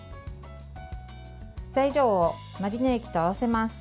材料をマリネ液と合わせます。